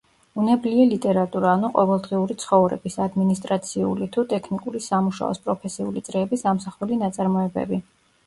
უნებლიე ლიტერატურა, ანუ ყოველდღიური ცხოვრების, ადმინისტრაციული თუ ტექნიკური სამუშაოს, პროფესიული წრეების ამსახველი ნაწარმოებები.